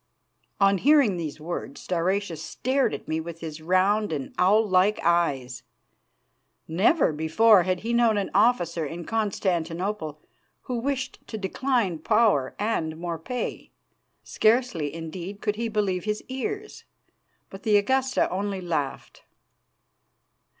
On hearing these words Stauracius stared at me with his round and owl like eyes. Never before had he known an officer in Constantinople who wished to decline power and more pay. Scarcely, indeed, could he believe his ears. But the Augusta only laughed.